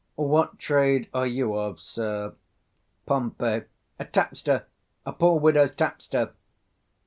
What trade are you of, sir? Pom. A tapster; a poor widow's tapster.